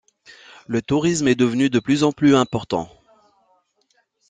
Le tourisme est devenu de plus en plus important.